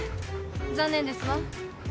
残念ですわ。